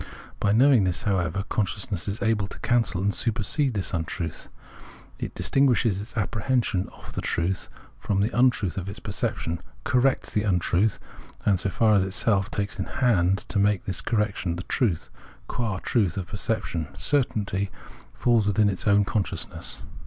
By knowing this, however, consciousness is able to cancel and supersede this untruth. It distin guishes its apprehension of the truth from the untruth of its perception, corrects this untruth, and, so far as itself takes in hand to make this correction, the truth, qua truth of perception, certainly falls within its own consciousness.